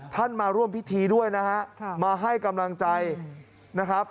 มาร่วมพิธีด้วยนะฮะมาให้กำลังใจนะครับ